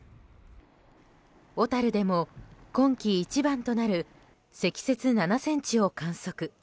小樽でも、今季一番となる積雪７ｃｍを観測。